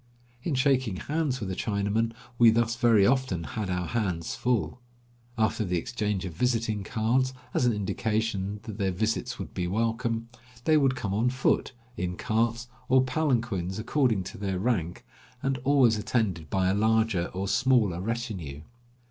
In shaking hands with a Chinaman we thus very often had our hands full. After the exchange of visiting cards, as an indication that their visits would be welcome, they would come on foot, in carts, or palanquins, according to their rank, and always attended by a larger or smaller retinue.